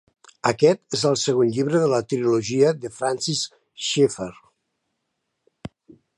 Aquest és el segon llibre de la Trilogia de Francis Schaeffer.